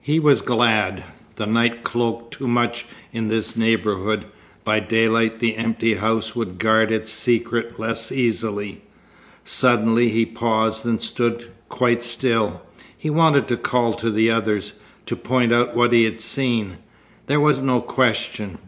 He was glad. The night cloaked too much in this neighbourhood. By daylight the empty house would guard its secret less easily. Suddenly he paused and stood quite still. He wanted to call to the others, to point out what he had seen. There was no question.